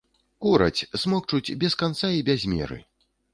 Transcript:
Кураць, смокчуць без канца і без меры.